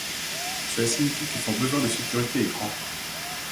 Cela signifie que son besoin de sécurité est grand.